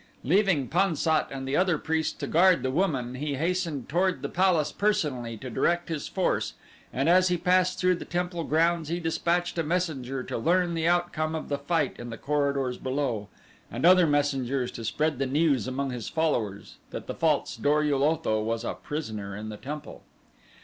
Leaving Pan sat and the other priest to guard the woman he hastened toward the palace personally to direct his force and as he passed through the temple grounds he dispatched a messenger to learn the outcome of the fight in the corridors below, and other messengers to spread the news among his followers that the false Dor ul Otho was a prisoner in the temple.